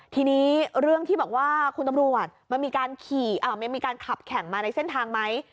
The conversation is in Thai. ทีนี้เรื่องที่บอกว่าคุณตำรวจมันมีการขี่มันมีการขับแข่งมาในเส้นทางไหม